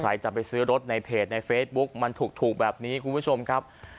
ใครจะไปซื้อรถในเพจในเฟซบุ๊กมันถูกแบบนี้คุณผู้ชมครับ